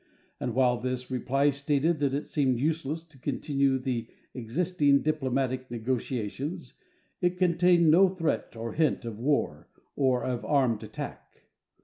And while this reply stated that it seemed useless to continue the existing diplomatic negotiations, it contained no threat or hint of war or of armed attack.